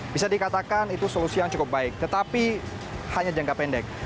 bisa dikatakan itu solusi yang cukup baik tetapi hanya jangka pendek